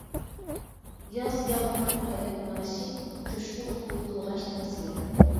ياز ياڭرىتىپ ھايات مارىشى، جۇشقۇنلۇقنى قىلغاچ تەۋسىيە.